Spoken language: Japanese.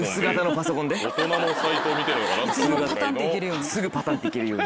パタンって行けるように。